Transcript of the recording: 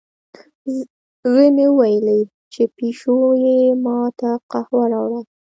زوی مې وویلې، چې پیشو یې ما ته قهوه راوړه.